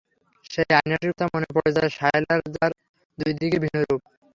সেই আয়নাটির কথা মনে পড়ে যায় শায়লার যার দুই দিকে ভিন্ন রূপ।